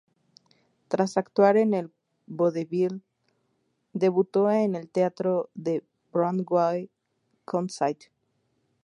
Tras actuar en el vodevil, debutó en el teatro de Broadway con "St.